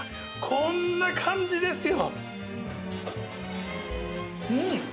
こんな感じですよ！